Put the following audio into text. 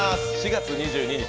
４月２２日